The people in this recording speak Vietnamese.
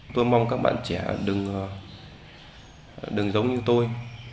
tôi mong các bạn trẻ đừng giống như tôi